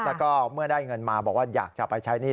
แล้วก็เมื่อได้เงินมาบอกว่าอยากจะไปใช้หนี้